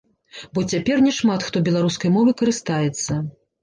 Бо цяпер няшмат хто беларускай мовай карыстаецца.